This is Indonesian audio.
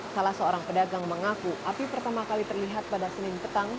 salah seorang pedagang mengaku api pertama kali terlihat pada senin petang